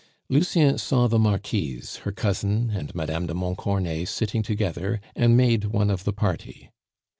Lucien saw the Marquise, her cousin, and Mme. de Montcornet sitting together, and made one of the party.